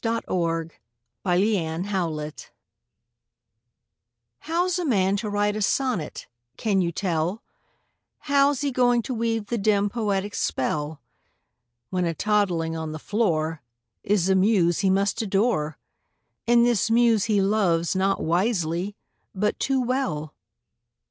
THE POET AND THE BABY How's a man to write a sonnet, can you tell, How's he going to weave the dim, poetic spell, When a toddling on the floor Is the muse he must adore, And this muse he loves, not wisely, but too well?